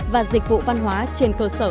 và dịch vụ văn hóa trên cơ sở